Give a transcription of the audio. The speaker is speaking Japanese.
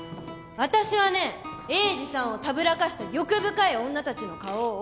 私はね栄治さんをたぶらかした欲深い女たちの顔を拝みに来たのよ！